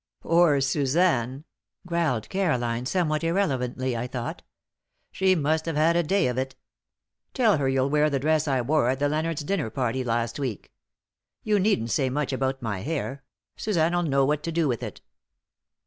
"Poor Suzanne!" growled Caroline, somewhat irrelevantly, I thought. "She must have had a day of it! Tell her you'll wear the dress I wore at the Leonards' dinner party last week. You needn't say much about my hair. Suzanne'll know what to do with it."